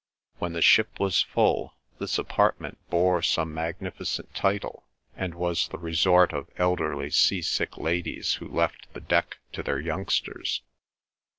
When the ship was full this apartment bore some magnificent title and was the resort of elderly sea sick ladies who left the deck to their youngsters.